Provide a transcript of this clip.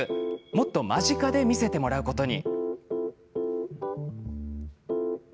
もっと間近で見せてもらうことに。